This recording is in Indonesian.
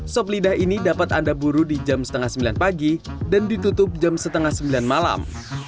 sop lidah ini dapat anda buru di jam setengah sembilan pagi dan ditutup jam setengah sembilan malam